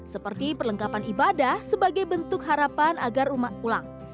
seperti perlengkapan ibadah sebagai bentuk harapan agar umat pulang